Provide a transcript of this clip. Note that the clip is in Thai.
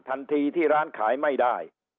ทันทีที่ร้านขายไม่ได้